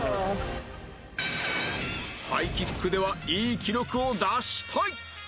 ハイキックではいい記録を出したい